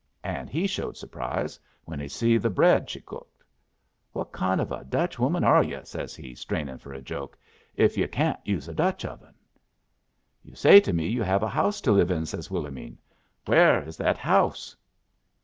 And he showed surprise when he see the bread she cooked. "'What kind of a Dutch woman are yu',' says he, strainin' for a joke, 'if yu' can't use a Dutch oven?' "'You say to me you have a house to live in,' says Willomene. 'Where is that house?'